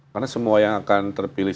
karena semua yang akan terpilih